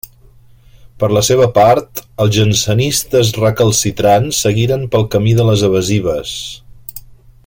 Per la seva part els jansenistes recalcitrants seguiren pel camí de les evasives.